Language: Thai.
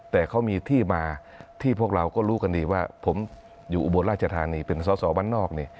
แต่เขามีที่มาที่พวกเราก็รู้กันดีว่าผมอยู่อุบลราชธานีเป็นสอสอบ้านนอกนี่